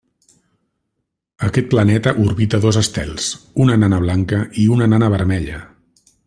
Aquest planeta orbita dos estels, una nana blanca i una nana vermella.